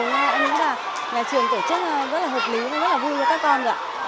nên là nhà trường tổ chức rất là hợp lý rất là vui cho các con